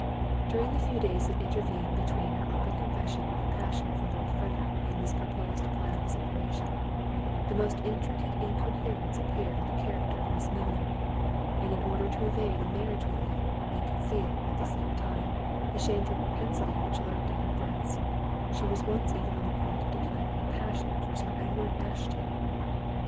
During the few days that intervened between her open confession of a passion for Lord Frederick and this proposed plan of separation, the most intricate incoherence appeared in the character of Miss Milner—and in order to evade a marriage with him, and conceal, at the same time, the shameful propensity which lurked in her breast, she was once even on the point of declaring a passion for Sir Edward Ashton.